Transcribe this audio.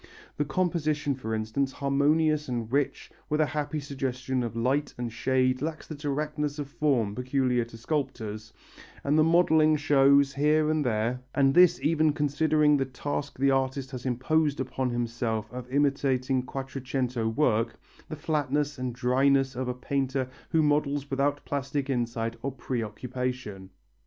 The composition, for instance, harmonious and rich, with a happy suggestion of light and shade, lacks the directness of form peculiar to sculptors, and the modelling shows here and there and this even considering the task the artist has imposed upon himself of imitating Quattrocento work the flatness and dryness of a painter who models without plastic insight or preoccupation.